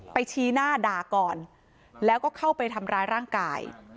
ชี้หน้าด่าก่อนแล้วก็เข้าไปทำร้ายร่างกาย